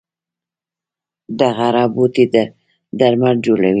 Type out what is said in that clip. د غره بوټي درمل جوړوي